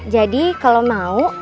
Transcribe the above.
jadi kalau mau